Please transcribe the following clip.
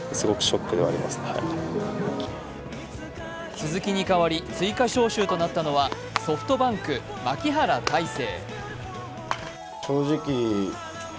鈴木に代わり追加招集となったのはソフトバンク・牧原大成。